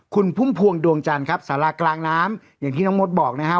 คุณพุ่มพวงดวงจันทร์ครับสารากลางน้ำอย่างที่น้องมดบอกนะครับ